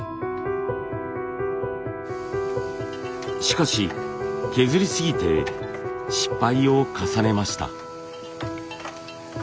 しかし削りすぎて失敗を重ねました。